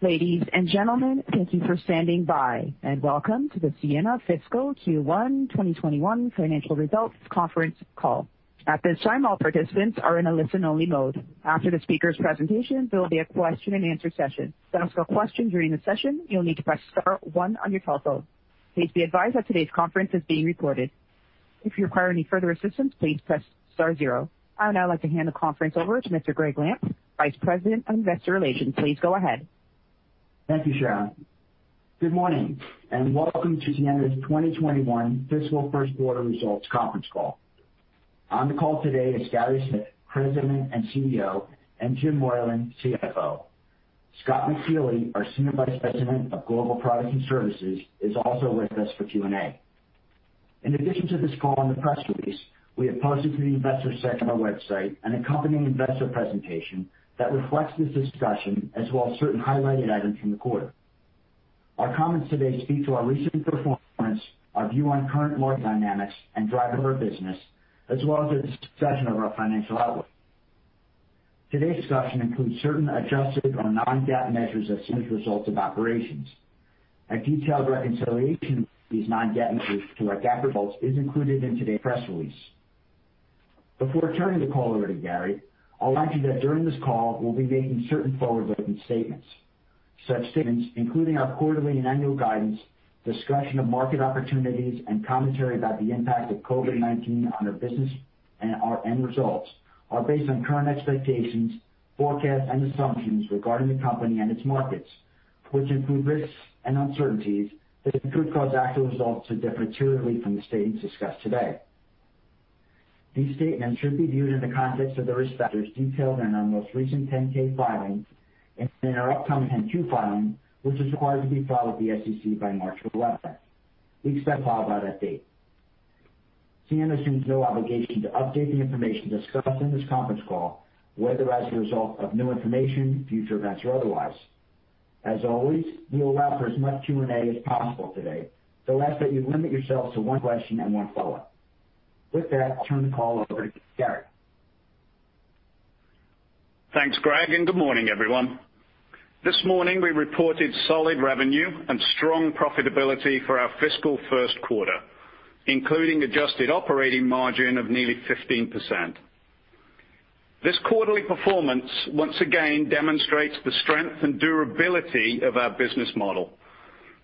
Ladies and gentlemen, thank you for standing by, and welcome to the Ciena Fiscal Q1 2021 financial results conference call. At this time, all participants are in a listen-only mode. After the speaker's presentation, there will be a question-and-answer session. To ask a question during the session, you'll need to press star one on your cell phone. Please be advised that today's conference is being recorded. If you require any further assistance, please press star zero. I would now like to hand the conference over to Mr. Gregg Lampf, Vice President of Investor Relations. Please go ahead. Thank you, Ciena. Good morning, and welcome to Ciena's 2021 Fiscal First Quarter Results Conference Call. On the call today is Gary Smith, President and CEO, and Jim Moylan, CFO. Scott McFeely, our Senior Vice President of Global Products and Services, is also with us for Q&A. In addition to this call and the press release, we have posted to the investor section of our website an accompanying investor presentation that reflects this discussion, as well as certain highlighted items from the quarter. Our comments today speak to our recent performance, our view on current market dynamics and drive of our business, as well as a discussion of our financial outlook. Today's discussion includes certain adjusted or non-GAAP measures and summarized results of operations. A detailed reconciliation of these non-GAAP measures to our GAAP results is included in today's press release. Before turning the call over to Gary, I'll remind you that during this call, we'll be making certain forward-looking statements. Such statements, including our quarterly and annual guidance, discussion of market opportunities, and commentary about the impact of COVID-19 on our business and our end results, are based on current expectations, forecasts, and assumptions regarding the company and its markets, which include risks and uncertainties that could cause actual results to differ materially from the statements discussed today. These statements should be viewed in the context of the risk factors detailed in our most recent 10-K filing and in our upcoming 10-Q filing, which is required to be filed with the SEC by March 11th. We expect filed by that date. Ciena assumes no obligation to update the information discussed in this conference call, whether as a result of new information, future events, or otherwise. As always, we'll allow for as much Q&A as possible today, so I ask that you limit yourselves to one question and one follow-up. With that, I'll turn the call over to Gary. Thanks, Gregg, and good morning, everyone. This morning, we reported solid revenue and strong profitability for our fiscal first quarter, including adjusted operating margin of nearly 15%. This quarterly performance once again demonstrates the strength and durability of our business model,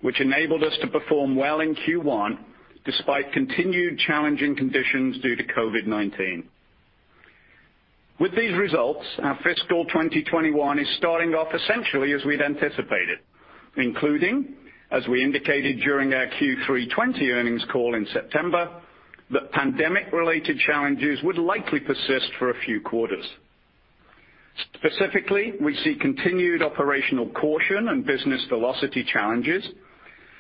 which enabled us to perform well in Q1 despite continued challenging conditions due to COVID-19. With these results, our fiscal 2021 is starting off essentially as we'd anticipated, including, as we indicated during our Q3 2020 earnings call in September, that pandemic-related challenges would likely persist for a few quarters. Specifically, we see continued operational caution and business velocity challenges,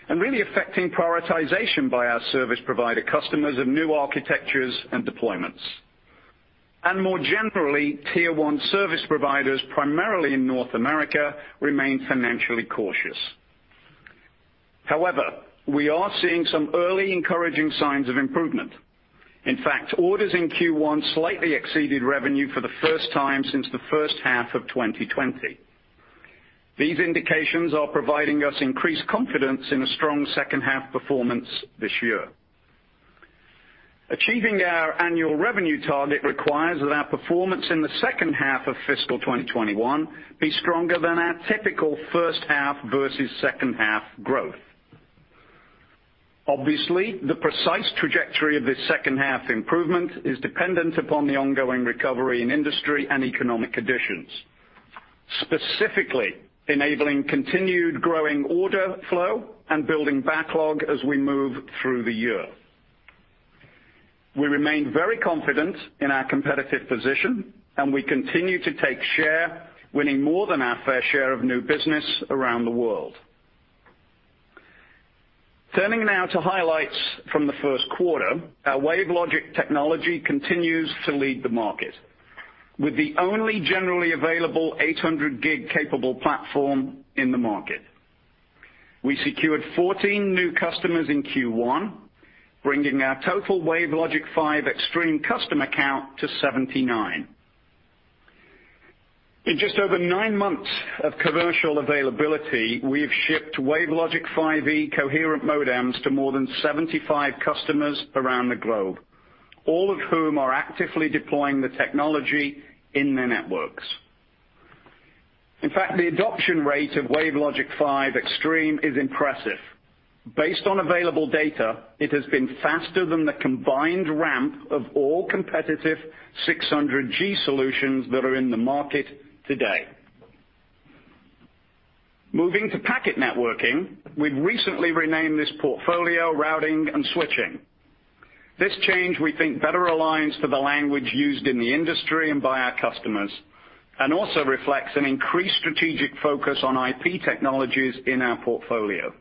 and really affecting prioritization by our service provider customers of new architectures and deployments. And more generally, tier one service providers, primarily in North America, remain financially cautious. However, we are seeing some early encouraging signs of improvement. In fact, orders in Q1 slightly exceeded revenue for the first time since the first half of 2020. These indications are providing us increased confidence in a strong second half performance this year. Achieving our annual revenue target requires that our performance in the second half of fiscal 2021 be stronger than our typical first half versus second half growth. Obviously, the precise trajectory of this second half improvement is dependent upon the ongoing recovery in industry and economic conditions, specifically enabling continued growing order flow and building backlog as we move through the year. We remain very confident in our competitive position, and we continue to take share, winning more than our fair share of new business around the world. Turning now to highlights from the first quarter, our WaveLogic technology continues to lead the market, with the only generally available 800 gig capable platform in the market. We secured 14 new customers in Q1, bringing our total WaveLogic 5 Extreme customer count to 79. In just over nine months of commercial availability, we have shipped WaveLogic 5E coherent modems to more than 75 customers around the globe, all of whom are actively deploying the technology in their networks. In fact, the adoption rate of WaveLogic 5 Extreme is impressive. Based on available data, it has been faster than the combined ramp of all competitive 600G solutions that are in the market today. Moving to packet networking, we've recently renamed this portfolio Routing and Switching. This change, we think, better aligns to the language used in the industry and by our customers, and also reflects an increased strategic focus on IP technologies in our portfolio.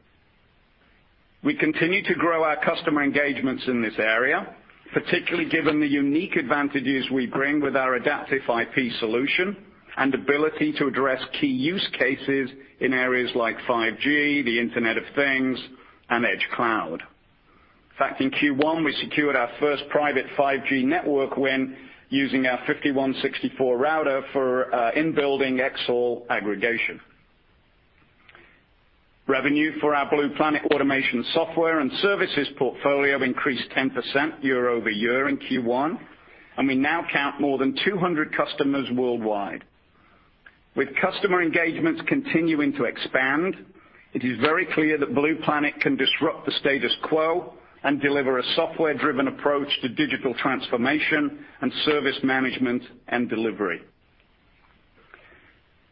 We continue to grow our customer engagements in this area, particularly given the unique advantages we bring with our Adaptive IP solution and ability to address key use cases in areas like 5G, the Internet of Things, and edge cloud. In fact, in Q1, we secured our first private 5G network win using our 5164 Router for in-building xHaul aggregation. Revenue for our Blue Planet automation software and services portfolio increased 10% year over year in Q1, and we now count more than 200 customers worldwide. With customer engagements continuing to expand, it is very clear that Blue Planet can disrupt the status quo and deliver a software-driven approach to digital transformation and service management and delivery.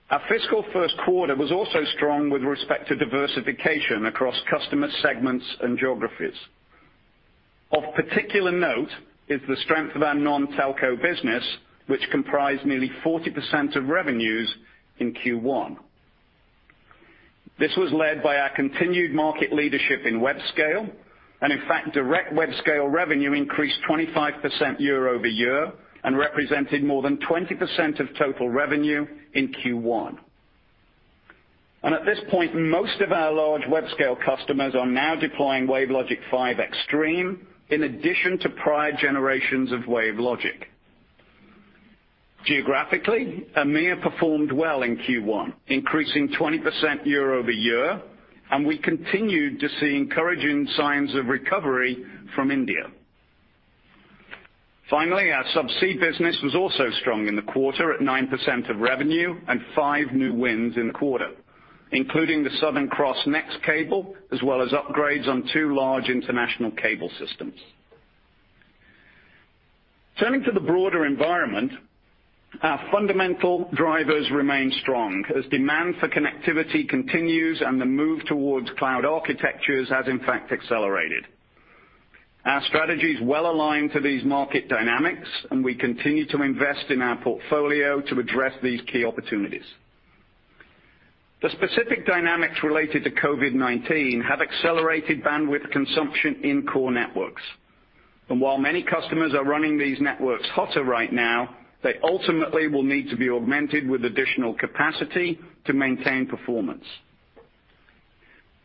Our fiscal first quarter was also strong with respect to diversification across customer segments and geographies. Of particular note is the strength of our non-telco business, which comprised nearly 40% of revenues in Q1. This was led by our continued market leadership in Web Scale, and in fact, direct Web Scale revenue increased 25% year-over-year and represented more than 20% of total revenue in Q1. And at this point, most of our large Web Scale customers are now deploying WaveLogic 5 Extreme in addition to prior generations of WaveLogic. Geographically, EMEA performed well in Q1, increasing 20% year-over-year, and we continued to see encouraging signs of recovery from India. Finally, our subsea business was also strong in the quarter at 9% of revenue and five new wins in the quarter, including the Southern Cross NEXT cable, as well as upgrades on two large international cable systems. Turning to the broader environment, our fundamental drivers remain strong as demand for connectivity continues and the move towards cloud architectures has, in fact, accelerated. Our strategy is well aligned to these market dynamics, and we continue to invest in our portfolio to address these key opportunities. The specific dynamics related to COVID-19 have accelerated bandwidth consumption in core networks. And while many customers are running these networks hotter right now, they ultimately will need to be augmented with additional capacity to maintain performance.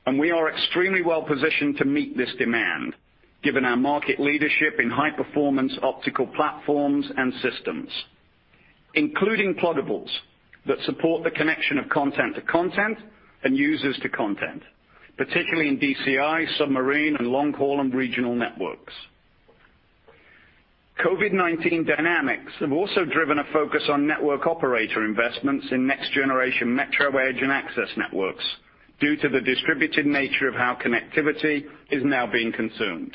And we are extremely well positioned to meet this demand, given our market leadership in high-performance optical platforms and systems, including pluggables that support the connection of content to content and users to content, particularly in DCI, submarine, and long-haul and regional networks. COVID-19 dynamics have also driven a focus on network operator investments in next-generation metro edge and access networks due to the distributed nature of how connectivity is now being consumed.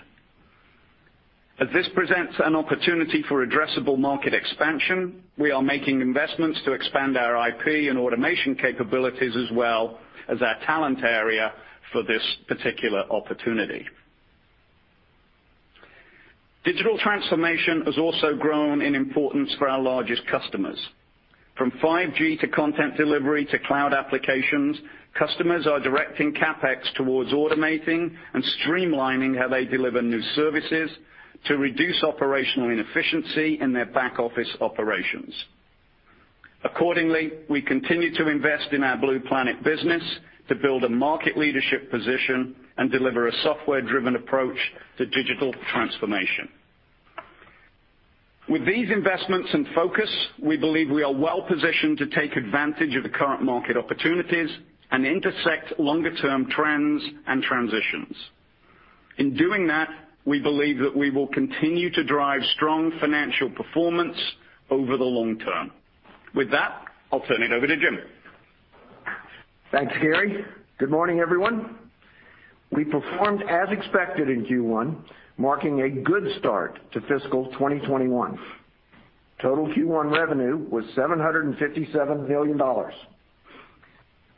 As this presents an opportunity for addressable market expansion, we are making investments to expand our IP and automation capabilities as well as our talent area for this particular opportunity. Digital transformation has also grown in importance for our largest customers. From 5G to content delivery to cloud applications, customers are directing CapEx towards automating and streamlining how they deliver new services to reduce operational inefficiency in their back office operations. Accordingly, we continue to invest in our Blue Planet business to build a market leadership position and deliver a software-driven approach to digital transformation. With these investments and focus, we believe we are well positioned to take advantage of the current market opportunities and intersect longer-term trends and transitions. In doing that, we believe that we will continue to drive strong financial performance over the long term. With that, I'll turn it over to Jim. Thanks, Gary. Good morning, everyone. We performed as expected in Q1, marking a good start to fiscal 2021. Total Q1 revenue was $757 million.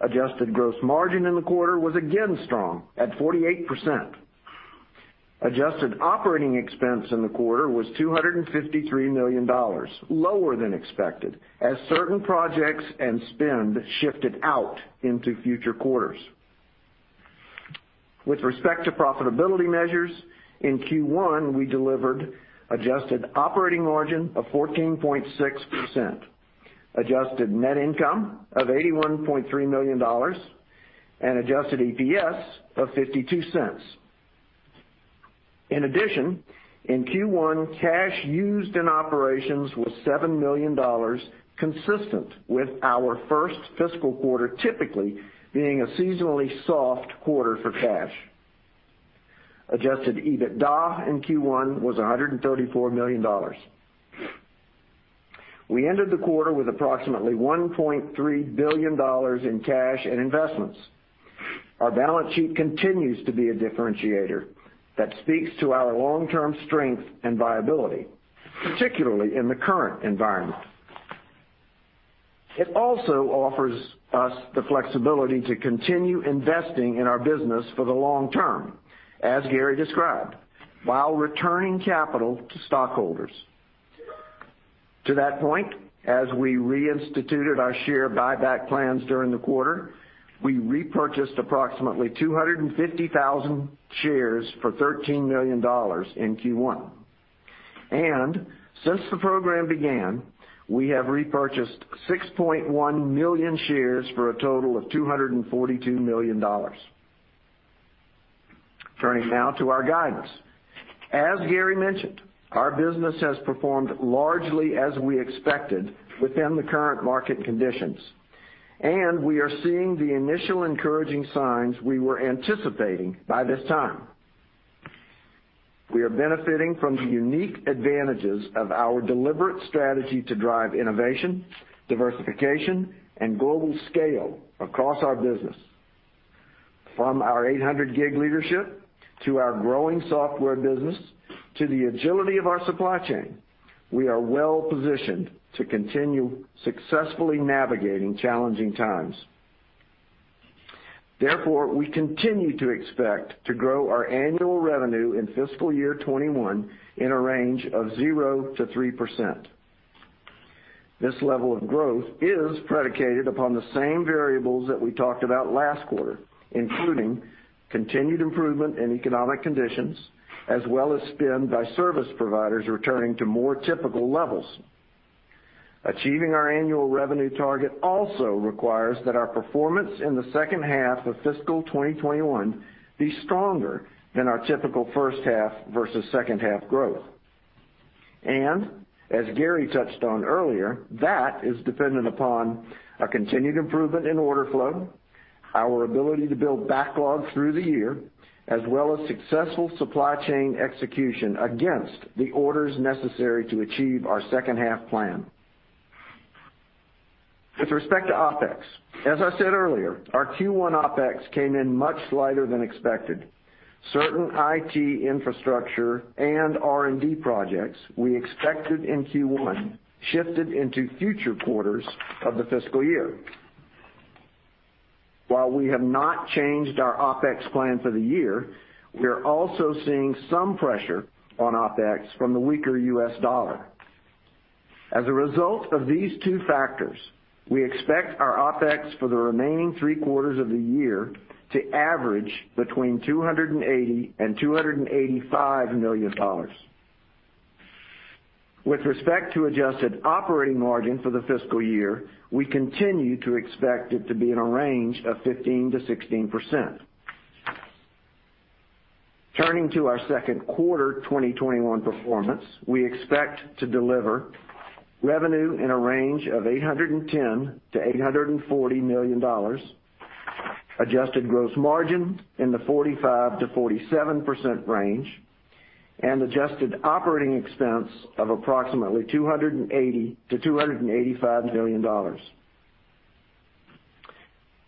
Adjusted gross margin in the quarter was again strong at 48%. Adjusted operating expense in the quarter was $253 million, lower than expected, as certain projects and spend shifted out into future quarters. With respect to profitability measures, in Q1, we delivered adjusted operating margin of 14.6%, adjusted net income of $81.3 million, and adjusted EPS of $0.52. In addition, in Q1, cash used in operations was $7 million, consistent with our first fiscal quarter typically being a seasonally soft quarter for cash. Adjusted EBITDA in Q1 was $134 million. We ended the quarter with approximately $1.3 billion in cash and investments. Our balance sheet continues to be a differentiator that speaks to our long-term strength and viability, particularly in the current environment. It also offers us the flexibility to continue investing in our business for the long term, as Gary described, while returning capital to stockholders. To that point, as we reinstituted our share buyback plans during the quarter, we repurchased approximately 250,000 shares for $13 million in Q1, and since the program began, we have repurchased 6.1 million shares for a total of $242 million. Turning now to our guidance. As Gary mentioned, our business has performed largely as we expected within the current market conditions, and we are seeing the initial encouraging signs we were anticipating by this time. We are benefiting from the unique advantages of our deliberate strategy to drive innovation, diversification, and global scale across our business. From our 800 gig leadership to our growing software business to the agility of our supply chain, we are well positioned to continue successfully navigating challenging times. Therefore, we continue to expect to grow our annual revenue in fiscal year 2021 in a range of 0%-3%. This level of growth is predicated upon the same variables that we talked about last quarter, including continued improvement in economic conditions, as well as spend by service providers returning to more typical levels. Achieving our annual revenue target also requires that our performance in the second half of fiscal 2021 be stronger than our typical first half versus second half growth, and as Gary touched on earlier, that is dependent upon a continued improvement in order flow, our ability to build backlog through the year, as well as successful supply chain execution against the orders necessary to achieve our second half plan. With respect to OpEx, as I said earlier, our Q1 OpEx came in much lighter than expected. Certain IT infrastructure and R&D projects we expected in Q1 shifted into future quarters of the fiscal year. While we have not changed our OpEx plan for the year, we are also seeing some pressure on OpEx from the weaker U.S. dollar. As a result of these two factors, we expect our OpEx for the remaining three quarters of the year to average between $280-$285 million. With respect to adjusted operating margin for the fiscal year, we continue to expect it to be in a range of 15%-16%. Turning to our second quarter 2021 performance, we expect to deliver revenue in a range of $810-$840 million, adjusted gross margin in the 45%-47% range, and adjusted operating expense of approximately $280-$285 million.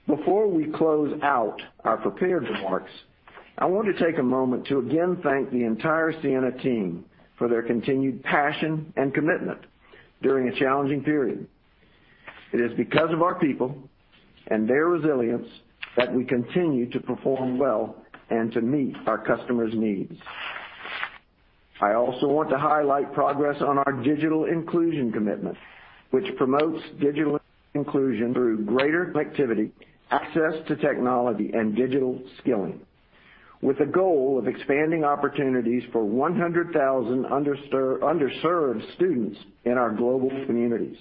Before we close out our prepared remarks, I want to take a moment to again thank the entire Ciena team for their continued passion and commitment during a challenging period. It is because of our people and their resilience that we continue to perform well and to meet our customers' needs. I also want to highlight progress on our digital inclusion commitment, which promotes digital inclusion through greater connectivity, access to technology, and digital skilling, with the goal of expanding opportunities for 100,000 underserved students in our global communities.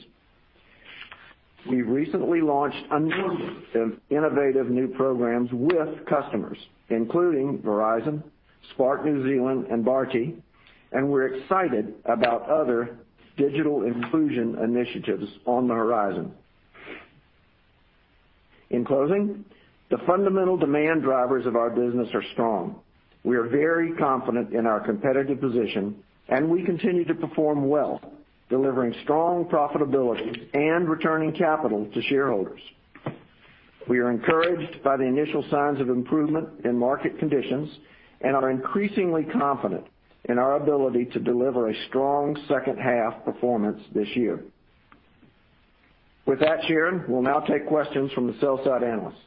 We've recently launched a number of innovative new programs with customers, including Verizon, Spark New Zealand, and Bharti Airtel, and we're excited about other digital inclusion initiatives on the horizon. In closing, the fundamental demand drivers of our business are strong. We are very confident in our competitive position, and we continue to perform well, delivering strong profitability and returning capital to shareholders. We are encouraged by the initial signs of improvement in market conditions and are increasingly confident in our ability to deliver a strong second half performance this year. With that, Sharon, we'll now take questions from the sell-side analysts.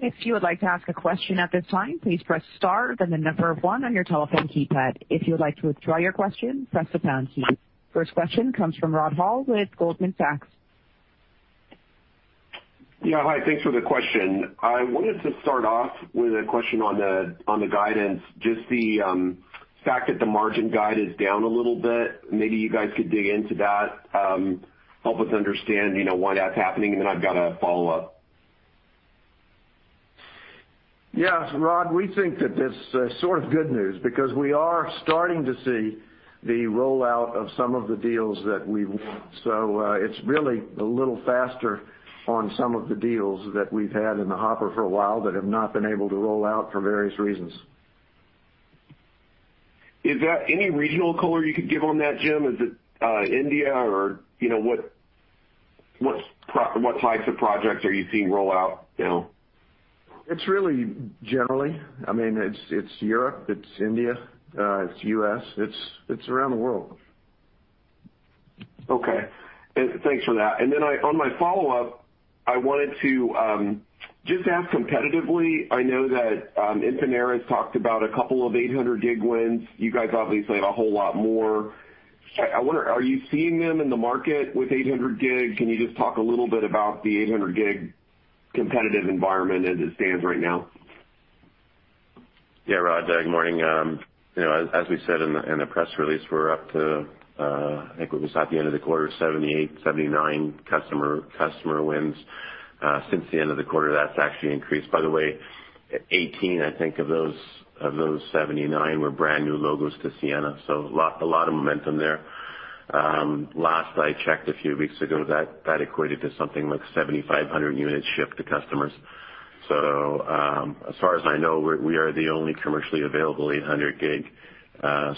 If you would like to ask a question at this time, please press Star, then the number one on your telephone keypad. If you would like to withdraw your question, press the pound key. First question comes from Rod Hall with Goldman Sachs. Yeah, hi. Thanks for the question. I wanted to start off with a question on the guidance. Just the fact that the margin guide is down a little bit, maybe you guys could dig into that, help us understand why that's happening, and then I've got a follow-up. Yeah, Rod, we think that this is sort of good news because we are starting to see the rollout of some of the deals that we want. So it's really a little faster on some of the deals that we've had in the hopper for a while that have not been able to roll out for various reasons. Is there any regional color you could give on that, Jim? Is it India or what types of projects are you seeing roll out now? It's really general. I mean, it's Europe, it's India, it's U.S., it's around the world. Okay. Thanks for that. And then on my follow-up, I wanted to just ask competitively, I know that Infinera has talked about a couple of 800 gig wins. You guys obviously have a whole lot more. I wonder, are you seeing them in the market with 800 gig? Can you just talk a little bit about the 800 gig competitive environment as it stands right now? Yeah, Rod, good morning. As we said in the press release, we're up to, I think we're just at the end of the quarter, 78, 79 customer wins. Since the end of the quarter, that's actually increased. By the way, 18, I think, of those 79 were brand new logos to Ciena. So a lot of momentum there. Last I checked a few weeks ago, that equated to something like 7,500 units shipped to customers. So as far as I know, we are the only commercially available 800 gig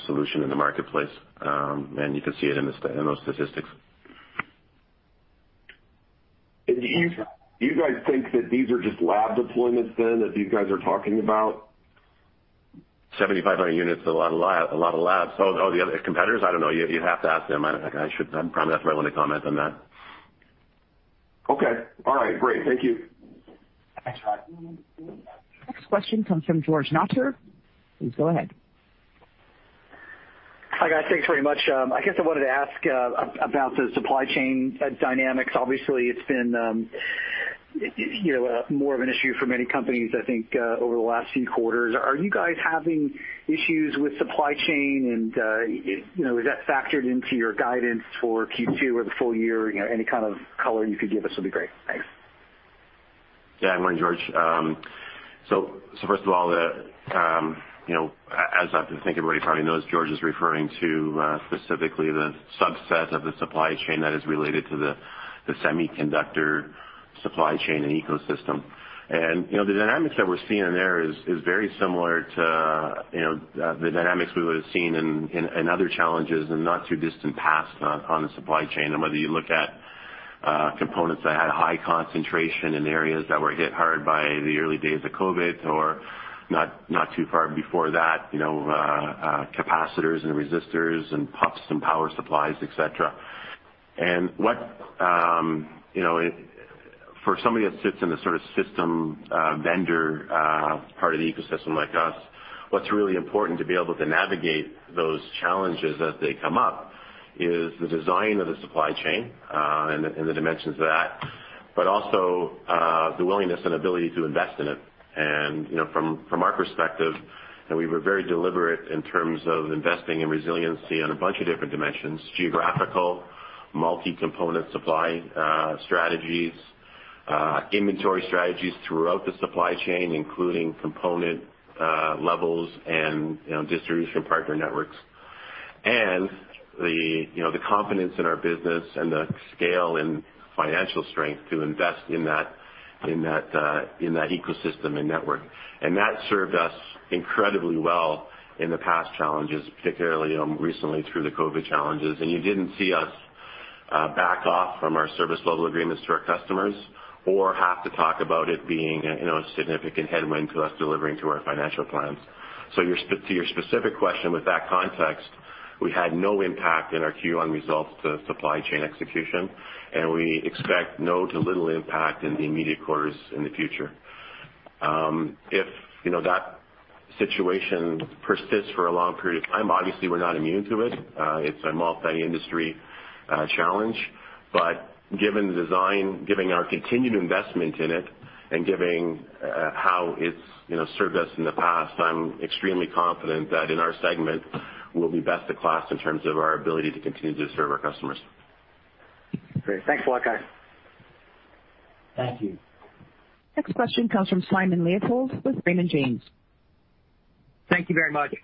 solution in the marketplace, and you can see it in those statistics. Do you guys think that these are just lab deployments then that these guys are talking about? 7,500 units, a lot of labs. Oh, the other competitors? I don't know. You'd have to ask them. I'm probably not the right one to comment on that. Okay. All right. Great. Thank you. Thanks, Rod. Next question comes from George Notter. Please go ahead. Hi, guys. Thanks very much. I guess I wanted to ask about the supply chain dynamics. Obviously, it's been more of an issue for many companies, I think, over the last few quarters. Are you guys having issues with supply chain, and is that factored into your guidance for Q2 or the full year? Any kind of color you could give us would be great. Thanks. Yeah, good morning, George. So first of all, as I think everybody probably knows, George is referring to specifically the subset of the supply chain that is related to the semiconductor supply chain and ecosystem. And the dynamics that we're seeing in there is very similar to the dynamics we would have seen in other challenges in the not-too-distant past on the supply chain. And whether you look at components that had high concentration in areas that were hit hard by the early days of COVID or not too far before that, capacitors and resistors and pumps and power supplies, etc. For somebody that sits in the sort of system vendor part of the ecosystem like us, what's really important to be able to navigate those challenges as they come up is the design of the supply chain and the dimensions of that, but also the willingness and ability to invest in it. From our perspective, we were very deliberate in terms of investing in resiliency on a bunch of different dimensions: geographical, multi-component supply strategies, inventory strategies throughout the supply chain, including component levels and distribution partner networks, and the confidence in our business and the scale and financial strength to invest in that ecosystem and network. That served us incredibly well in the past challenges, particularly recently through the COVID challenges. And you didn't see us back off from our service level agreements to our customers or have to talk about it being a significant headwind to us delivering to our financial plans. So to your specific question, with that context, we had no impact in our Q1 results to supply chain execution, and we expect no to little impact in the immediate quarters in the future. If that situation persists for a long period of time, obviously, we're not immune to it. It's a multi-industry challenge. But given the design, giving our continued investment in it, and giving how it's served us in the past, I'm extremely confident that in our segment, we'll be best in class in terms of our ability to continue to serve our customers. Great. Thanks, Watkoth. Thank you. Next question comes from Simon Leopold with Raymond James. Thank you very much.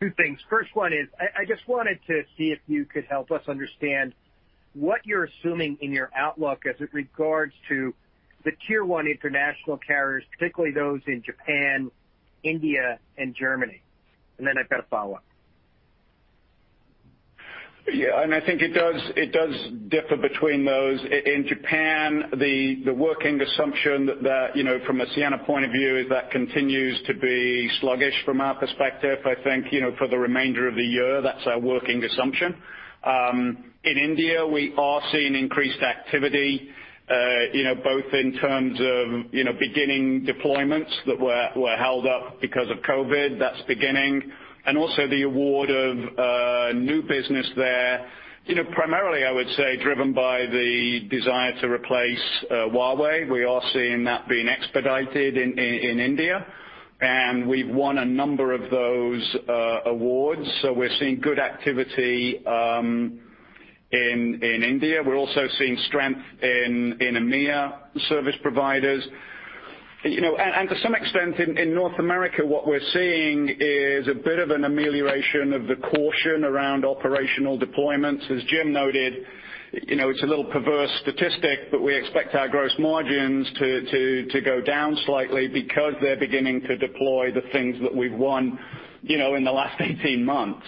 Two things. First one is, I just wanted to see if you could help us understand what you're assuming in your outlook as it regards to the tier one international carriers, particularly those in Japan, India, and Germany. And then I've got a follow-up. Yeah, and I think it does differ between those. In Japan, the working assumption from a Ciena point of view is that continues to be sluggish from our perspective. I think for the remainder of the year, that's our working assumption. In India, we are seeing increased activity, both in terms of beginning deployments that were held up because of COVID. That's beginning. And also the award of new business there, primarily, I would say, driven by the desire to replace Huawei. We are seeing that being expedited in India, and we've won a number of those awards. So we're seeing good activity in India. We're also seeing strength in EMEA service providers. And to some extent, in North America, what we're seeing is a bit of an amelioration of the caution around operational deployments. As Jim noted, it's a little perverse statistic, but we expect our gross margins to go down slightly because they're beginning to deploy the things that we've won in the last 18 months.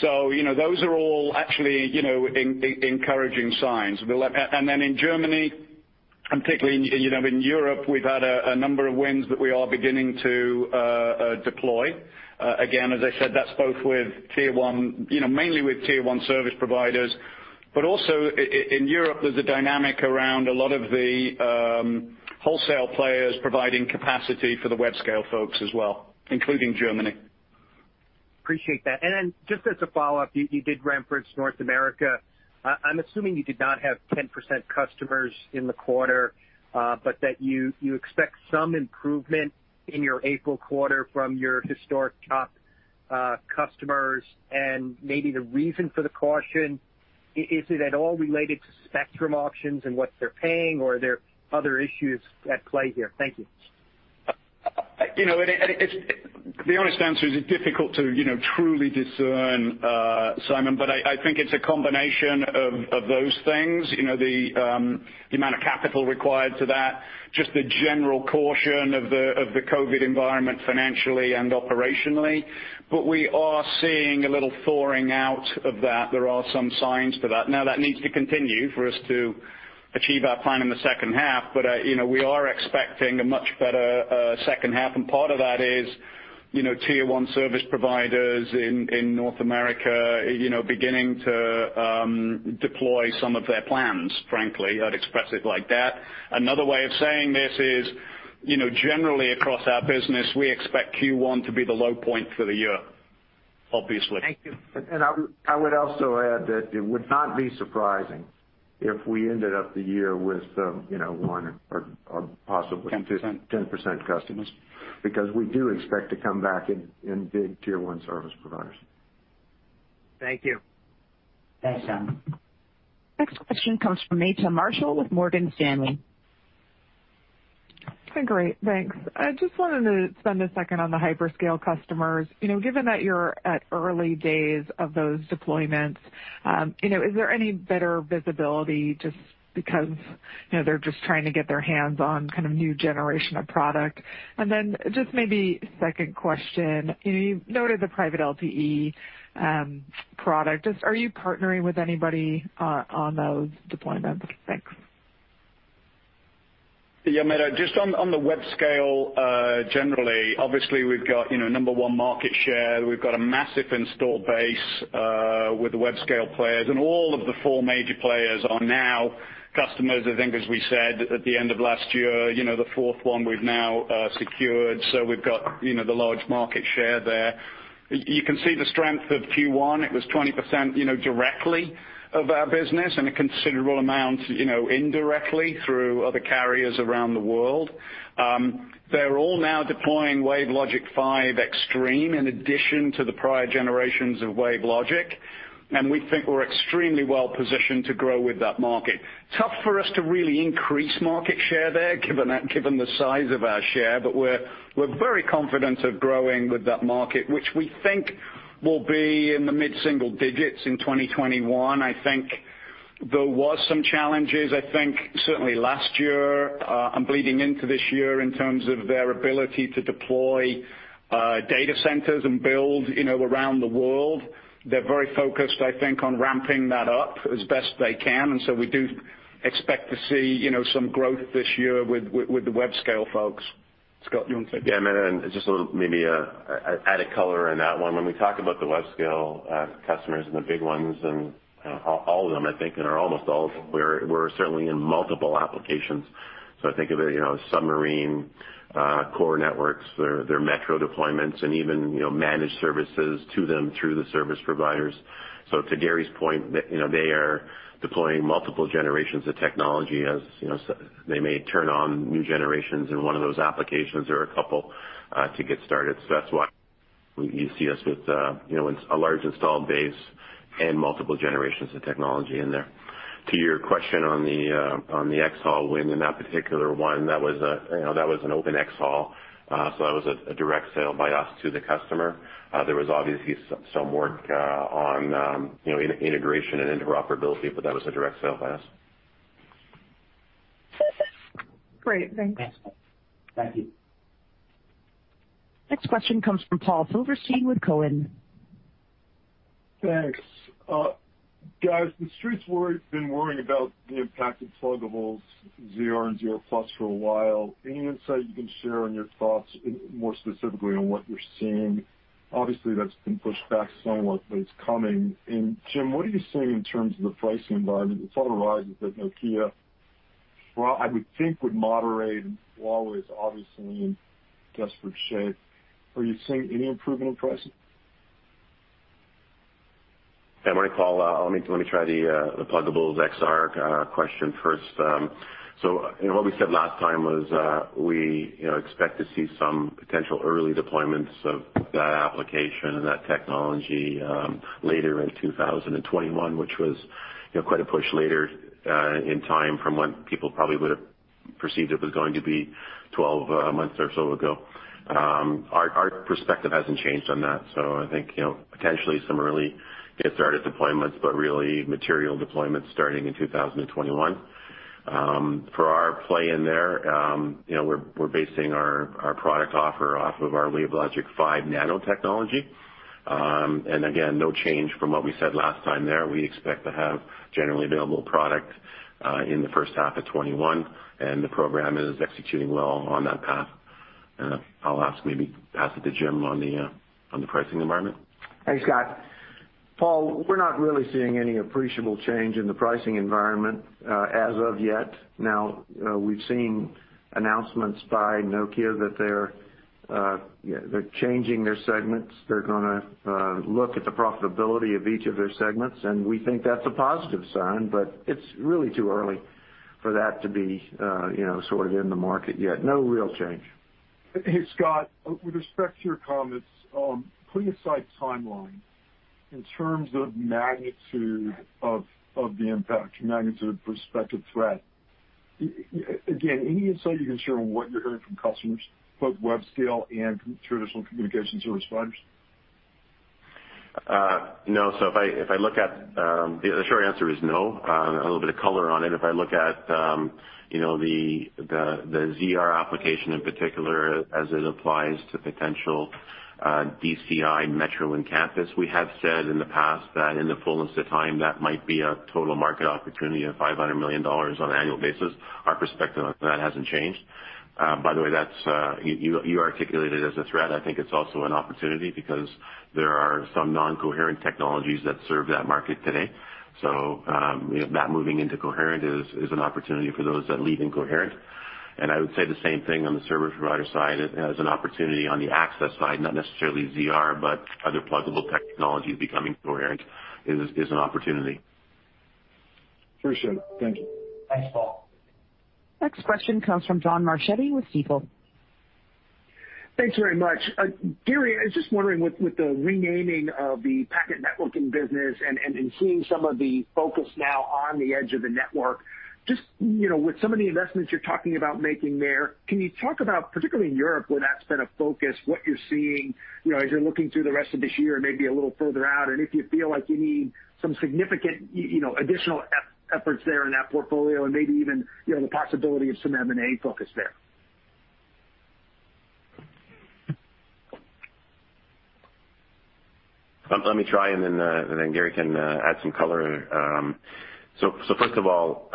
So those are all actually encouraging signs. And then in Germany, and particularly in Europe, we've had a number of wins that we are beginning to deploy. Again, as I said, that's both with tier one, mainly with tier one service providers. But also in Europe, there's a dynamic around a lot of the wholesale players providing capacity for the Web Scale folks as well, including Germany. Appreciate that. And then just as a follow-up, you did ramp for North America. I'm assuming you did not have top 10 customers in the quarter, but that you expect some improvement in your April quarter from your historic top customers. And maybe the reason for the caution, is it at all related to spectrum options and what they're paying, or are there other issues at play here? Thank you. The honest answer is it's difficult to truly discern, Simon, but I think it's a combination of those things, the amount of capital required to that, just the general caution of the COVID environment financially and operationally. But we are seeing a little thawing out of that. There are some signs to that. Now, that needs to continue for us to achieve our plan in the second half, but we are expecting a much better second half. And part of that is tier one service providers in North America beginning to deploy some of their plans, frankly. I'd express it like that. Another way of saying this is, generally across our business, we expect Q1 to be the low point for the year, obviously. Thank you. And I would also add that it would not be surprising if we ended up the year with one or possibly. 10% customers because we do expect to come back in big tier one service providers. Thank you. Thanks, Simon. Next question comes from Meta Marshall with Morgan Stanley. Hi, great. Thanks. I just wanted to spend a second on the hyperscale customers. Given that you're at early days of those deployments, is there any better visibility just because they're just trying to get their hands on kind of new generation of product? And then just maybe second question, you noted the private LTE product. Are you partnering with anybody on those deployments? Thanks. Yeah, Meta, just on the Web Scale generally, obviously, we've got number one market share. We've got a massive install base with the Web Scale players. And all of the four major players are now customers, I think, as we said at the end of last year, the fourth one we've now secured. So we've got the large market share there. You can see the strength of Q1. It was 20% directly of our business and a considerable amount indirectly through other carriers around the world. They're all now deploying WaveLogic 5 Extreme in addition to the prior generations of WaveLogic. And we think we're extremely well positioned to grow with that market. Tough for us to really increase market share there given the size of our share, but we're very confident of growing with that market, which we think will be in the mid-single digits in 2021. I think there were some challenges. I think certainly last year and bleeding into this year in terms of their ability to deploy data centers and build around the world. They're very focused, I think, on ramping that up as best they can. And so we do expect to see some growth this year with the Web Scale folks. Scott, you want to? Yeah, Meta, and just maybe add a color in that one. When we talk about the Web Scale customers and the big ones, and all of them, I think, and almost all of them, we're certainly in multiple applications. So I think of it as submarine core networks, their metro deployments, and even managed services to them through the service providers. So to Gary's point, they are deploying multiple generations of technology as they may turn on new generations in one of those applications or a couple to get started. So that's why you see us with a large installed base and multiple generations of technology in there. To your question on the xHaul win, in that particular one, that was an open xHaul. So that was a direct sale by us to the customer. There was obviously some work on integration and interoperability, but that was a direct sale by us. Great. Thanks. Thanks. Thank you. Next question comes from Paul Silverstein with Cowen. Thanks. Guys, the streets have been worrying about the impact of pluggable ZR and ZR+ for a while. Any insight you can share on your thoughts more specifically on what you're seeing? Obviously, that's been pushed back somewhat, but it's coming. And Jim, what are you seeing in terms of the pricing environment? The thought arises that Nokia, I would think, would moderate and Huawei is obviously in desperate shape. Are you seeing any improvement in pricing? Yeah, I'm going to call. Let me try the pluggable ZR question first. So what we said last time was we expect to see some potential early deployments of that application and that technology later in 2021, which was quite a push later in time from what people probably would have perceived it was going to be 12 months or so ago. Our perspective hasn't changed on that. So I think potentially some early get-started deployments, but really material deployments starting in 2021. For our play in there, we're basing our product offer off of our WaveLogic 5 Nano. And again, no change from what we said last time there. We expect to have generally available product in the first half of 2021, and the program is executing well on that path. And I'll ask maybe pass it to Jim on the pricing environment. Thanks, Scott. Paul, we're not really seeing any appreciable change in the pricing environment as of yet. Now, we've seen announcements by Nokia that they're changing their segments. They're going to look at the profitability of each of their segments, and we think that's a positive sign, but it's really too early for that to be sort of in the market yet. No real change. Hey, Scott, with respect to your comments, putting aside timeline in terms of magnitude of the impact, magnitude of competitive threat, again, any insight you can share on what you're hearing from customers, both Web Scale and traditional communications service providers? No. So, if I look at the short answer is no. A little bit of color on it. If I look at the ZR application in particular as it applies to potential DCI metro and campus, we have said in the past that in the fullness of time, that might be a total market opportunity of $500 million on an annual basis. Our perspective on that hasn't changed. By the way, you articulated it as a threat. I think it's also an opportunity because there are some non-coherent technologies that serve that market today. So that moving into coherent is an opportunity for those that lead in coherent. And I would say the same thing on the service provider side as an opportunity on the access side, not necessarily ZR, but other pluggable technologies becoming coherent is an opportunity. Appreciate it. Thank you. Thanks, Paul. Next question comes from John Marchetti with Stifel. Thanks very much. Gary, I was just wondering with the renaming of the packet networking business and seeing some of the focus now on the edge of the network, just with some of the investments you're talking about making there, can you talk about, particularly in Europe where that's been a focus, what you're seeing as you're looking through the rest of this year and maybe a little further out, and if you feel like you need some significant additional efforts there in that portfolio and maybe even the possibility of some M&A focus there? Let me try, and then Gary can add some color. So first of all,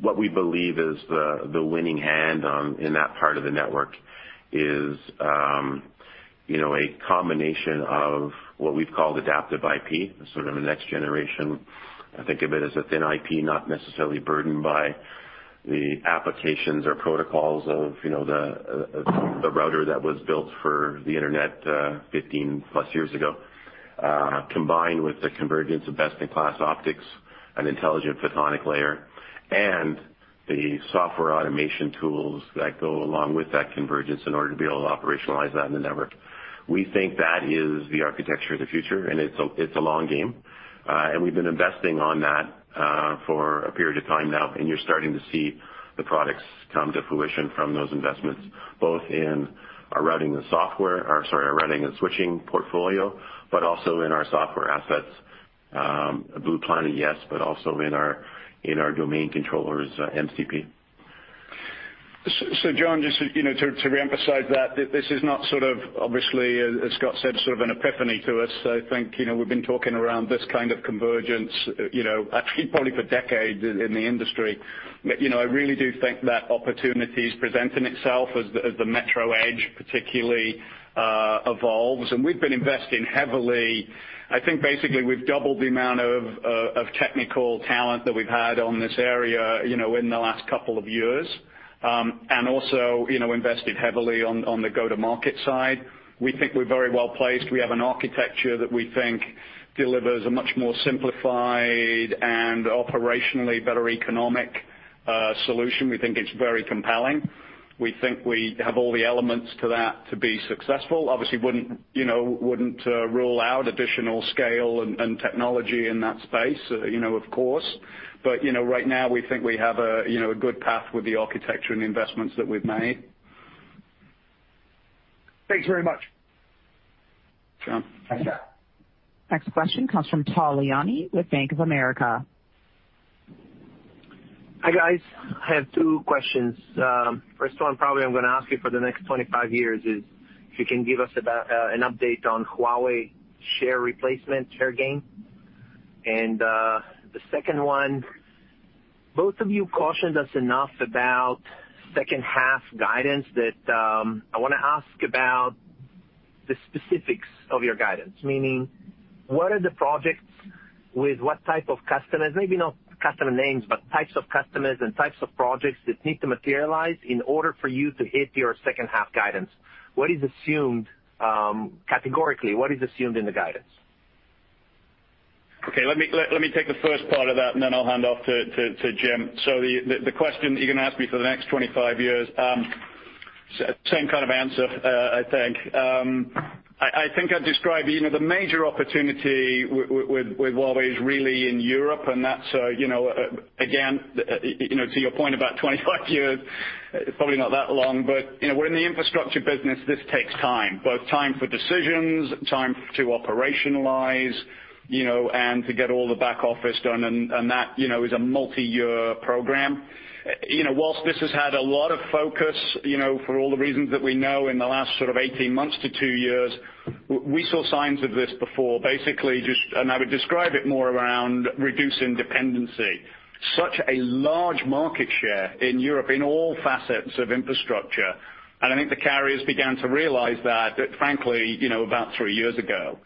what we believe is the winning hand in that part of the network is a combination of what we've called adaptive IP, sort of a next generation. I think of it as a thin IP, not necessarily burdened by the applications or protocols of the router that was built for the internet 15 plus years ago, combined with the convergence of best-in-class optics, an intelligent photonic layer, and the software automation tools that go along with that convergence in order to be able to operationalize that in the network. We think that is the architecture of the future, and it's a long game. We've been investing on that for a period of time now, and you're starting to see the products come to fruition from those investments, both in our routing and software, sorry, our Routing and Switching portfolio, but also in our software assets, Blue Planet, yes, but also in our domain controllers, MCP. So, John, just to reemphasize that, this is not sort of, obviously, as Scott said, sort of an epiphany to us. I think we've been talking around this kind of convergence actually probably for decades in the industry. I really do think that opportunity is presenting itself as the metro edge particularly evolves. And we've been investing heavily. I think basically we've doubled the amount of technical talent that we've had on this area in the last couple of years and also invested heavily on the go-to-market side. We think we're very well placed. We have an architecture that we think delivers a much more simplified and operationally better economic solution. We think it's very compelling. We think we have all the elements to that to be successful. Obviously, wouldn't rule out additional scale and technology in that space, of course. But right now, we think we have a good path with the architecture and investments that we've made. Thanks very much. Thanks, Scott. Next question comes from Tal Liani with Bank of America. Hi, guys. I have two questions. First one, probably I'm going to ask you for the next 25 years, is if you can give us an update on Huawei share replacement, share gain. And the second one, both of you cautioned us enough about second-half guidance that I want to ask about the specifics of your guidance, meaning what are the projects with what type of customers, maybe not customer names, but types of customers and types of projects that need to materialize in order for you to hit your second-half guidance? What is assumed categorically? What is assumed in the guidance? Okay. Let me take the first part of that, and then I'll hand off to Jim. So the question that you're going to ask me for the next 25 years, same kind of answer, I think. I think I'd describe the major opportunity with Huawei is really in Europe. And that's again, to your point about 25 years, it's probably not that long, but we're in the infrastructure business. This takes time, both time for decisions, time to operationalize, and to get all the back office done. And that is a multi-year program. While this has had a lot of focus for all the reasons that we know in the last sort of 18 months to two years, we saw signs of this before, basically, and I would describe it more around reducing dependency. Such a large market share in Europe in all facets of infrastructure. And I think the carriers began to realize that, frankly, about three years ago.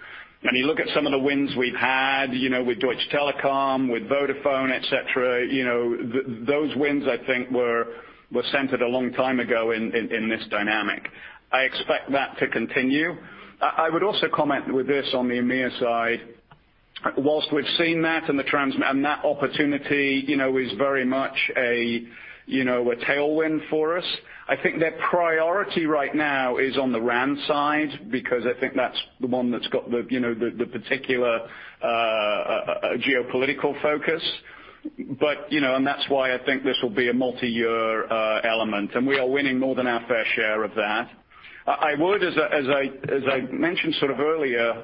When you look at some of the wins we've had with Deutsche Telekom, with Vodafone, etc., those wins, I think, were centered a long time ago in this dynamic. I expect that to continue. I would also comment with this on the EMEA side. While we've seen that and that opportunity is very much a tailwind for us, I think their priority right now is on the RAN side because I think that's the one that's got the particular geopolitical focus. And that's why I think this will be a multi-year element. And we are winning more than our fair share of that. I would, as I mentioned sort of earlier,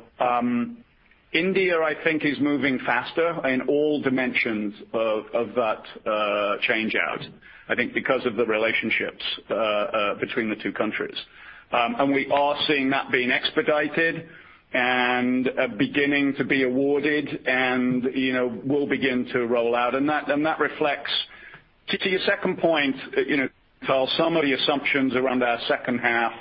India, I think, is moving faster in all dimensions of that change out, I think, because of the relationships between the two countries. We are seeing that being expedited and beginning to be awarded and will begin to roll out. That reflects to your second point, Karl, some of the assumptions around our second-half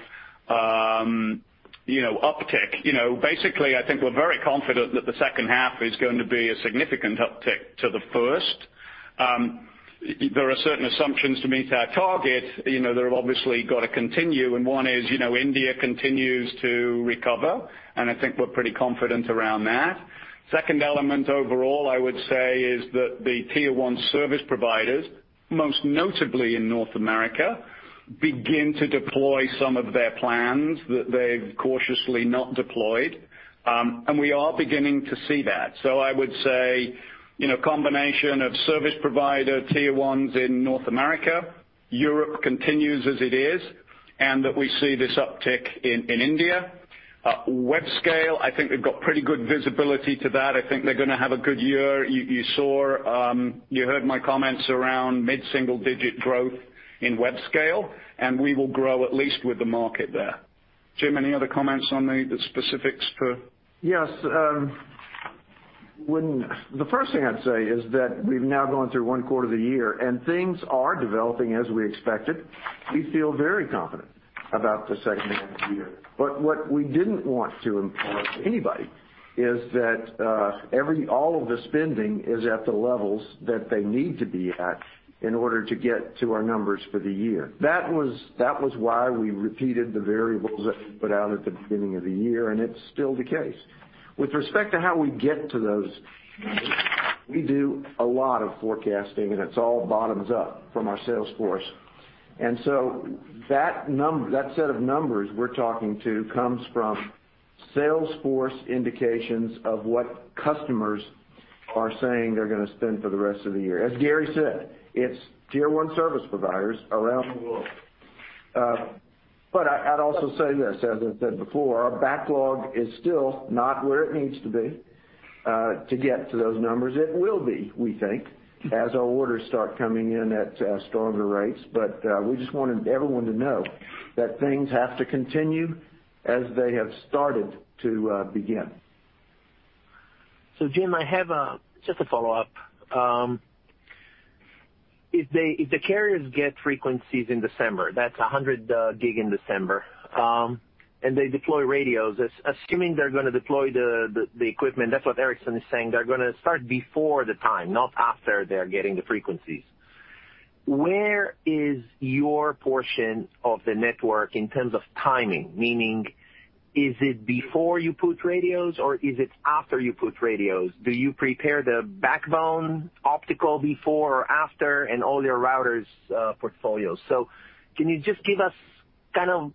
uptick. Basically, I think we're very confident that the second half is going to be a significant uptick to the first. There are certain assumptions to meet our target. They've obviously got to continue. One is India continues to recover. I think we're pretty confident around that. Second element overall, I would say, is that the tier one service providers, most notably in North America, begin to deploy some of their plans that they've cautiously not deployed. We are beginning to see that. I would say combination of service provider tier ones in North America, Europe continues as it is, and that we see this uptick in India. Web Scale, I think we've got pretty good visibility to that. I think they're going to have a good year. You heard my comments around mid-single-digit growth in Web Scale, and we will grow at least with the market there. Jim, any other comments on the specifics for? Yes. The first thing I'd say is that we've now gone through one quarter of the year, and things are developing as we expected. We feel very confident about the second half of the year. But what we didn't want to impart to anybody is that all of the spending is at the levels that they need to be at in order to get to our numbers for the year. That was why we repeated the variables that we put out at the beginning of the year, and it's still the case. With respect to how we get to those, we do a lot of forecasting, and it's all bottoms up from our sales force. And so that set of numbers we're talking to comes from sales force indications of what customers are saying they're going to spend for the rest of the year. As Gary said, it's tier one service providers around the world. But I'd also say this, as I said before, our backlog is still not where it needs to be to get to those numbers. It will be, we think, as our orders start coming in at stronger rates. But we just wanted everyone to know that things have to continue as they have started to begin. So Jim, I have just a follow-up. If the carriers get frequencies in December, that's 100 gig in December, and they deploy radios, assuming they're going to deploy the equipment, that's what Ericsson is saying, they're going to start before the time, not after they're getting the frequencies. Where is your portion of the network in terms of timing? Meaning, is it before you put radios, or is it after you put radios? Do you prepare the backbone optical before or after in all your routers' portfolios? So can you just give us kind of